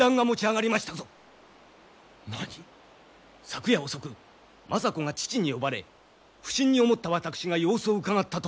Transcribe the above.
昨夜遅く政子が父に呼ばれ不審に思った私が様子をうかがったところ。